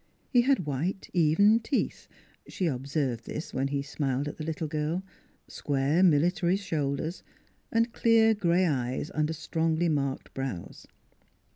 He had white, even teeth she observed this when he smiled at the little girl square military shoulders, and clear gray eyes under strongly marked brows.